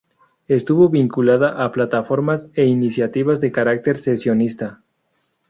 Estuvo vinculada a plataformas e iniciativas de carácter secesionista.